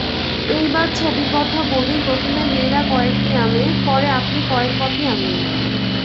এইবার ছবির কথা বলি প্রথমে মেয়েরা কয়েকটি আনে, পরে আপনি কয়েক কপি আনেন।